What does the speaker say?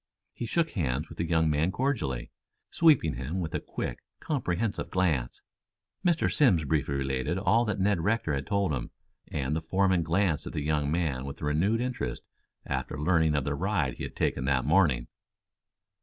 He shook hands with the young man cordially, sweeping him with a quick, comprehensive glance. Mr. Simms briefly related all that Ned Rector had told him, and the foreman glanced at the young man with renewed interest after learning of the ride he had taken that morning.